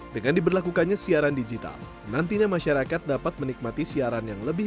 dengan diberlakukannya siaran digital nantinya masyarakat dapat menikmati siaran yang lebih